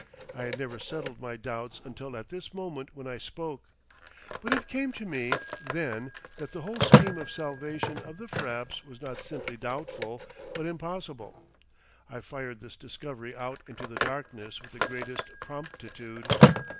I had never settled my doubts until at this moment when I spoke. But it came to me then that the whole scheme of salvation of the Frappes was not simply doubtful, but impossible. I fired this discovery out into the darkness with the greatest promptitude.